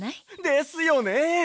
ですよね。